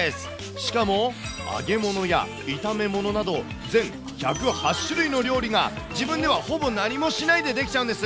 しかも、揚げ物や炒め物など、全１０８種類の料理が、自分ではほぼ何もしないでできちゃうんです。